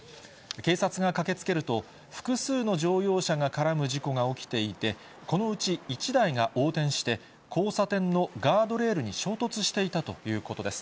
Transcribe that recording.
警察が駆けつけると、複数の乗用車が絡む事故が起きていて、このうち、１台が横転して、交差点のガードレールに衝突していたということです。